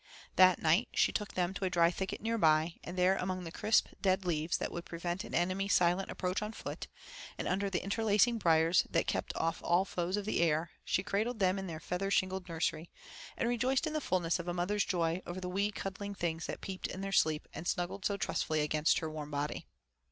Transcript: That night she took them to a dry thicket near by, and there among the crisp, dead leaves that would prevent an enemy's silent approach on foot, and under the interlacing briers that kept off all foes of the air, she cradled them in their feather shingled nursery and rejoiced in the fulness of a mother's joy over the wee cuddling things that peeped in their sleep and snuggled so trustfully against her warm body.